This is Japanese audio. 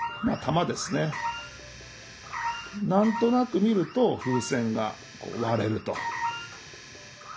何となく見ると風船が割れると。